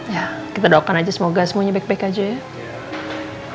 ya kita doakan aja semoga semuanya baik baik aja ya